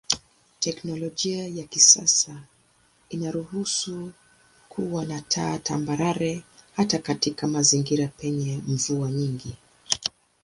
Teknolojia ya kisasa inaruhusu kuwa na taa tambarare hata katika mazingira penye mvua nyingi.